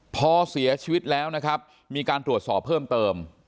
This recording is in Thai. พอเสียชีวิตแล้วนะครับมีการตรวจสอบเพิ่มเติม